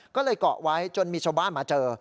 ก็เลยเกาะไว้จนมีชาวบ้านมาเจอ